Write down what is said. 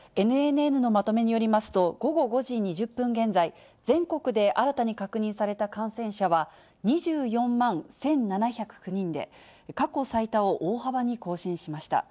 ＮＮＮのまとめによりますと、午後５時２０分現在、全国で新たに確認された感染者は、２４万１７０９人で、過去最多を大幅に更新しました。